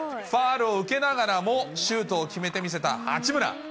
ファウルを受けながらもシュートを決めて見せた八村。